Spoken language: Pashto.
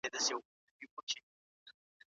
د درواغو تاریخ ته غوږ مه ږدئ.